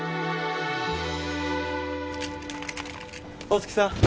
大月さん。